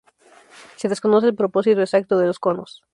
Se desconoce el propósito exacto de los conos.